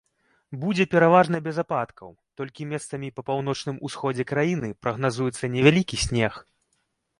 Будзе пераважна без ападкаў, толькі месцамі па паўночным усходзе краіны прагназуецца невялікі снег.